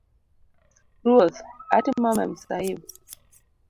ruoth; atimo Memsahib